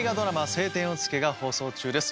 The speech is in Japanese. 「青天を衝け」が放送中です。